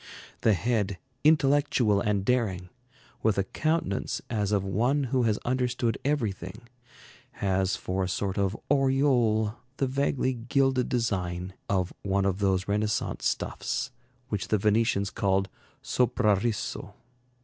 The head, intellectual and daring, with a countenance as of one who has understood everything, has for a sort of aureole the vaguely gilded design of one of those Renaissance stuffs which the Venetians call soprarisso.